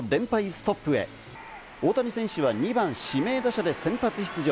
ストップへ大谷選手は２番・指名打者で先発出場。